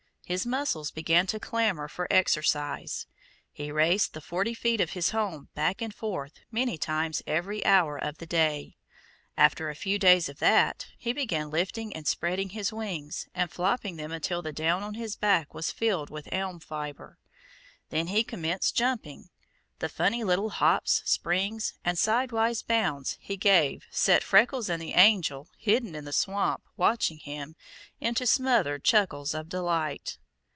His muscles began to clamor for exercise. He raced the forty feet of his home back and forth many times every hour of the day. After a few days of that, he began lifting and spreading his wings, and flopping them until the down on his back was filled with elm fiber. Then he commenced jumping. The funny little hops, springs, and sidewise bounds he gave set Freckles and the Angel, hidden in the swamp, watching him, into smothered chuckles of delight.